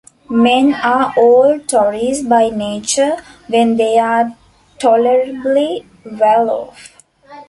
Men are all Tories by nature, when they are tolerably well off.